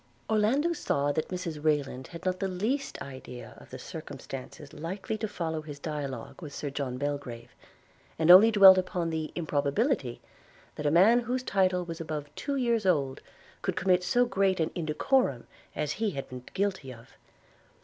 Orlando saw that Mrs Rayland had not the least idea of the circumstances likely to follow his dialogue with Sir John Belgrave, and only dwelt upon the improbability that a man whose title was above two years old, could commit so great an indecorum as he had been guilty of.